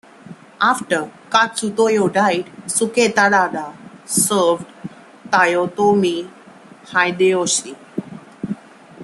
After Katsutoyo died, Suketada served Toyotomi Hideyoshi.